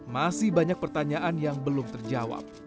masih banyak pertanyaan yang belum terjawab